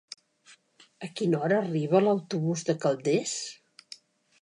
A quina hora arriba l'autobús de Calders?